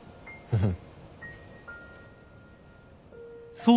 うん。